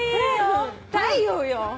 太陽よ！